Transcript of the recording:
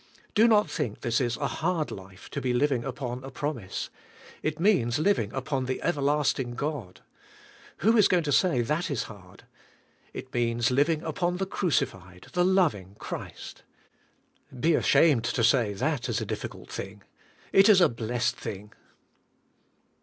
Do not think this is a hard life, to be living upon a promise. It means living upon the everlasting God. Who is going to say that is hard? It means living upon the crucified, the loving Christ. Be ashamed to say that is a difficult thing. It is a blessed thing.